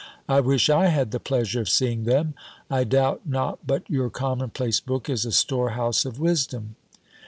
I wish I had the pleasure of seeing them. I doubt not but your common place book is a store house of wisdom."